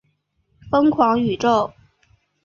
疯狂宇宙